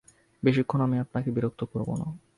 বেশিক্ষণ আমি আপনাকে বিরক্ত করব না।